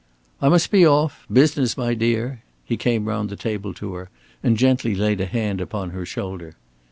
"I must be off business, my dear." He came round the table to her and gently laid a hand upon her shoulder.